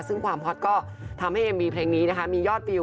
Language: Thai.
ซึ่งความฮอตก็ทำให้เอ็มวีเพลงนี้นะคะมียอดวิว